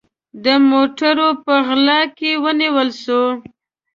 د موټروپه غلا کې ونیول سو